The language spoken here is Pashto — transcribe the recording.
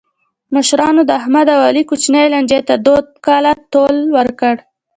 مشرانو د احمد او علي کوچنۍ لانجې ته دوه کاله طول ورکړ.